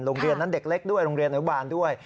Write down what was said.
โรงเรียนนั้นเด็กเล็กด้วยโรงเรียนอนุบาลด้วย